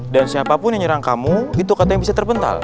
dan siapapun yang nyerang kamu itu katanya bisa terpental